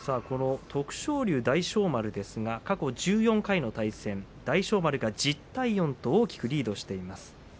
この徳勝龍、大翔丸ですが過去１４回の対戦大翔丸は１０対４と大きくリードしています。